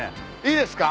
いいですか？